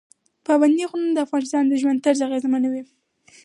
پابندی غرونه د افغانانو د ژوند طرز اغېزمنوي.